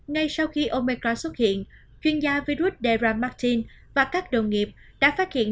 ngay sau khi omicron xuất hiện chuyên gia virus dera martin và các đồng nghiệp đã phát hiện